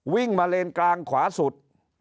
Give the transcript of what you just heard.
วิ่งมาเลนกลางขวาสุด